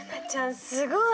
すごい！